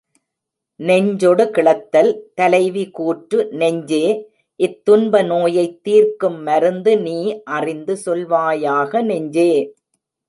நெஞ்சொடு கிளத்தல் தலைவி கூற்று நெஞ்சே இத் துன்பநோயைத் தீர்க்கும் மருந்து நீ அறிந்து சொல்வாயாக! நெஞ்சே!